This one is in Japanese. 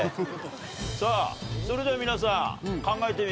さぁそれでは皆さん考えてみましょう。